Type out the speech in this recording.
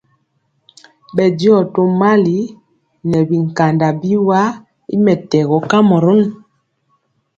Bɛndiɔ tomali nɛ bikanda biwa y mɛtɛgɔ kamarun.